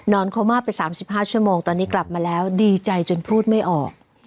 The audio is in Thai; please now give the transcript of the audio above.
โคม่าไป๓๕ชั่วโมงตอนนี้กลับมาแล้วดีใจจนพูดไม่ออก